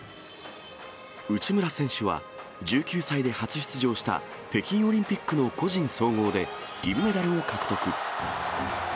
内村選手は１９歳で初出場した北京オリンピックの個人総合で、銀メダルを獲得。